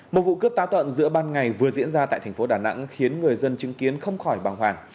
một vụ cướp táo tận giữa ban ngày vừa diễn ra tại thành phố đà nẵng khiến người dân chứng kiến không khỏi bằng hoàng